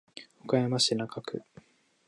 岡山市中区